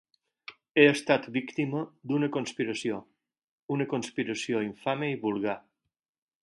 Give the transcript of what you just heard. He estat víctima d'una conspiració; una conspiració infame i vulgar.